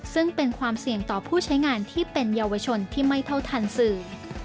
ซึ่งเป็นความเสี่ยงต่อผู้ใช้งานที่เป็นเยาวชนที่ไม่เท่าทันสื่อ